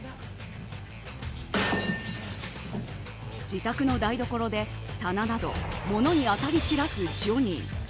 自宅の台所で棚など物に当たり散らすジョニー。